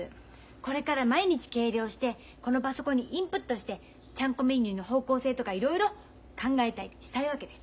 これから毎日計量してこのパソコンにインプットしてちゃんこメニューの方向性とかいろいろ考えたりしたいわけです。